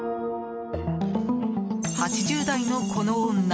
８０代の、この女。